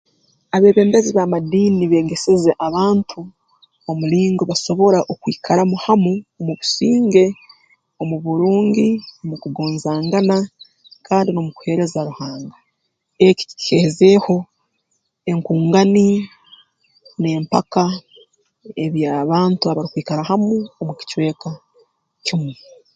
Abeebembezi b'amadiini beegeseze abantu omulingo basobora okwikaramu hamu omu businge omu burungi mu kugonzangana kandi n'omu kuheereza Ruhanga eki kikeehezeeho enkungani n'empaka eby'abantu abarukwiikara hamu omu kicweka kimu